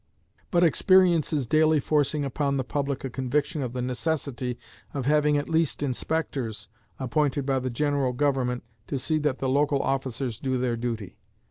But experience is daily forcing upon the public a conviction of the necessity of having at least inspectors appointed by the general government to see that the local officers do their duty.